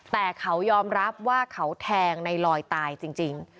แต่เขายอมรับว่าเขาแทงในลอยตายจริง